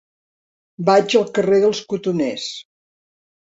Vaig al carrer dels Cotoners.